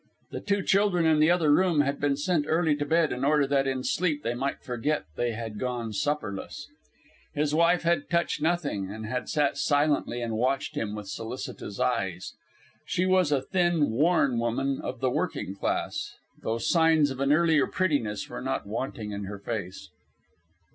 The two children in the other room had been sent early to bed in order that in sleep they might forget they had gone supperless. His wife had touched nothing, and had sat silently and watched him with solicitous eyes. She was a thin, worn woman of the working class, though signs of an earlier prettiness were not wanting in her face.